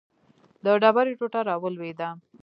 د ډبرې ټوټه راولوېده.